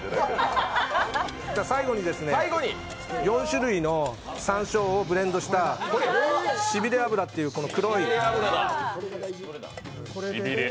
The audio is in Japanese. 最後に４種類のさんしょうをブレンドした痺れ油っていうこの黒い。